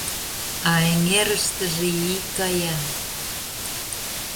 А эҥерыштыже ий кая.